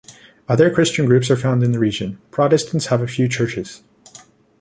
Other Christian groups are found in the region: Protestants have a few churches.